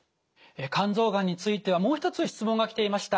肝臓がんについてはもう一つ質問が来ていました。